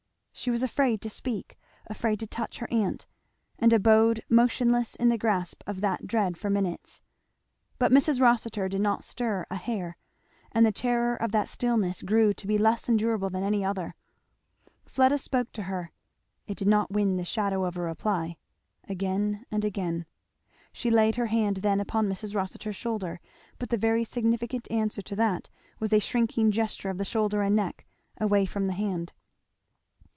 She was afraid to speak afraid to touch her aunt, and abode motionless in the grasp of that dread for minutes. But Mrs. Rossitur did not stir a hair, and the terror of that stillness grew to be less endurable than any other. [Illustration: Mrs. Rossitur sat there alone.] Fleda spoke to her, it did not win the shadow of a reply, again and again. She laid her hand then upon Mrs. Rossitur's shoulder, but the very significant answer to that was a shrinking gesture of the shoulder and neck, away from the hand.